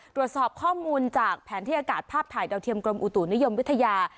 ตรวจสอบข้อมูลจากแผนที่อากาศภาพถ่ายดาวเทียมกรมอุตุนิยมวิทยา